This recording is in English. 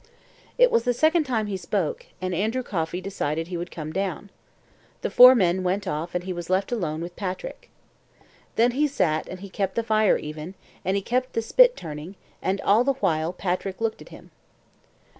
It was the second time he spoke, and Andrew Coffey decided he would come down. The four men went off and he was left all alone with Patrick. Then he sat and he kept the fire even, and he kept the spit turning, and all the while Patrick looked at him.